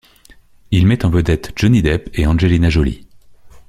Il met en vedette Johnny Depp et Angelina Jolie.